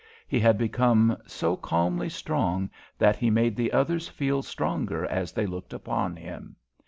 He had become so calmly strong that he made the others feel stronger as they looked upon him.